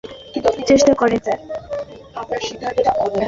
তীরের আঘাত থেকে যারা রক্ষা পায় তারাও পিছনে চলে আসার চেষ্টা করে।